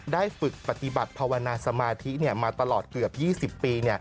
ได้ฝึกปฏิบัติภาวนาสมาธิมาตลอดเกือบ๒๐ปี